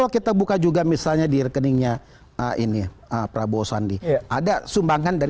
kita sudah sampai per detik ini sudah ada tiga tujuh miliar